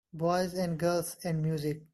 Boys and girls and music.